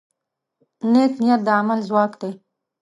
نیک نیت د عمل ځواک دی.